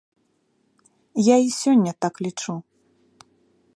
Я і сёння так лічу.